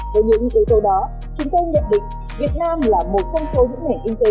với những ý tố đó chúng tôi nhận định việt nam là một trong số những nền kinh tế